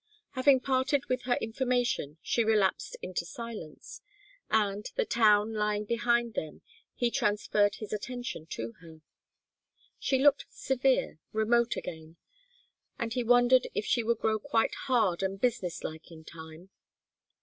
Having parted with her information she relapsed into silence, and, the town lying behind them, he transferred his attention to her. She looked severe, remote again, and he wondered if she would grow quite hard and business like in time.